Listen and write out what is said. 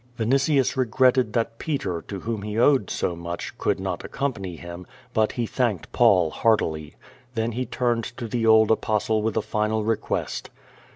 Vinitius regretted that Peter, to whom he owed so much, could not accompany him, but he thanked Paul heartily. Then he turned to the old Apostle with a final request.